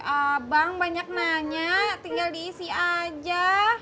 abang banyak nanya tinggal diisi aja